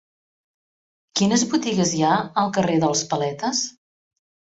Quines botigues hi ha al carrer dels Paletes?